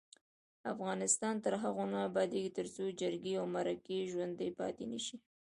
افغانستان تر هغو نه ابادیږي، ترڅو جرګې او مرکې ژوڼدۍ پاتې نشي.